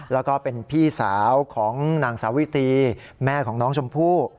แล้วก็เป็นพี่สาวของนางสาวิตีแม่ของน้องชมพู่